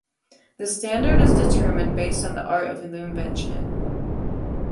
The standard is determined based on the art of the invention.